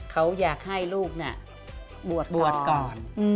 เขาอยากให้ลูกบวชก่อน